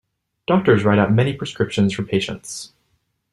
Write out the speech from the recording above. Doctor's write out many prescriptions for patients.